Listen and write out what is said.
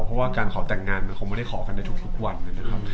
เพราะว่าการขอแต่งงานมันคงไม่ได้ขอกันในทุกวันนะครับ